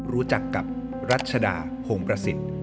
รู้จักกับรัชดาพงประสิทธิ์